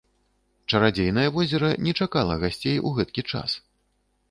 Чарадзейнае возера не чакала гасцей ў гэткі час.